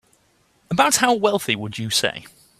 About how wealthy would you say?